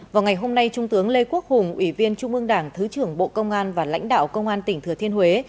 vào ngày hôm nay trung tướng lê quốc hùng ủy viên trung ương đảng thứ trưởng bộ công an và lãnh đạo công an tỉnh thừa thiên huế